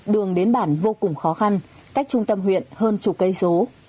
đường đến bản vô cùng khó khăn cách trung tâm huyện hơn chục cây số